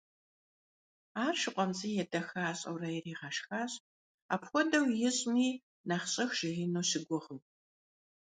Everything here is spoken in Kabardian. Ар ШыкъумцӀий едэхащӀэурэ иригъэшхащ, ипхуэдэу ищӀми нэхъ щӀэх жеину щыгугъыу.